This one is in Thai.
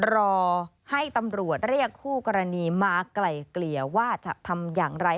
รอให้ตำรวจเรียกคู่กรณีมาไกล่เกลี่ยว่าจะทำอย่างไร